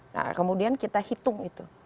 nah kemudian kita hitung itu